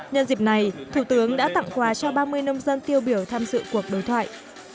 nhân dịp này thủ tướng đã tặng quà cho ba mươi nông dân tiêu biểu tham dự cuộc đối thoại